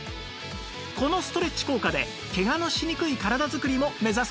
このストレッチ効果でケガのしにくい体作りも目指せるんです